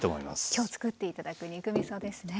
今日作って頂く肉みそですね。